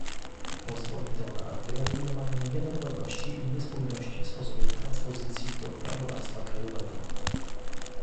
Pozwoli to na wyeliminowanie niedokładności i niespójności w sposobie transpozycji do prawodawstwa krajowego